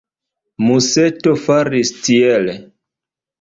Museto faris tiele.